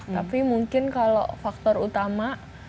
tapi mungkin kalau faktor utama